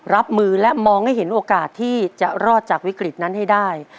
รับมือและมองให้เห็นโอกาสที่จะรอดจากวิกฤตนั้นให้ได้